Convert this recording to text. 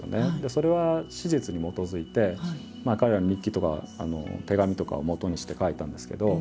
それは史実に基づいて彼らの日記とか手紙とかをもとにして書いたんですけど。